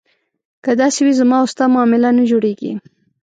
که داسې وي زما او ستا معامله نه جوړېږي.